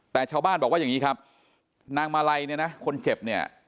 แต่ชาวบ้านบอกว่าอย่างนี้ครับนางมาลัยเนี่ยนะคนเจ็บเนี่ย